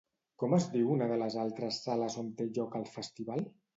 Com es diu una de les altres sales on té lloc el festival?